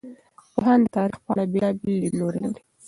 پوهان د تاریخ په اړه بېلابېل لیدلوري لري.